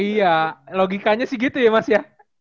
iya logikanya sih gitu ya mas ya